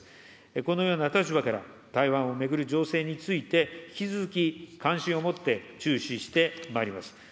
このような立場から、台湾を巡る情勢について、引き続き関心を持って注視してまいります。